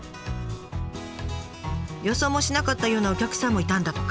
予想もしなかったようなお客さんもいたんだとか。